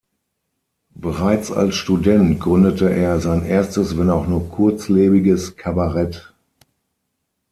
Bereits als Student gründete er sein erstes, wenn auch nur kurzlebiges Kabarett.